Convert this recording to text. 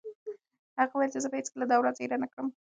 هغه وویل چې زه به هیڅکله دا ورځ هېره نه کړم.